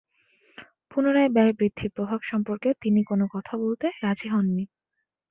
পুনরায় ব্যয় বৃদ্ধির প্রস্তাব সম্পর্কে তিনি কোনো কথা বলতে রাজি হননি।